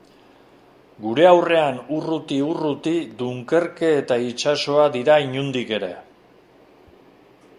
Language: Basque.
Gure aurrean urruti-urruti Dunkerke eta itsasoa dira inondik ere.